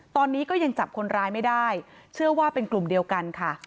ตอนนี้ก็ยังจับคนร้ายไม่ได้เชื่อว่าเป็นกลุ่มเดียวกันค่ะ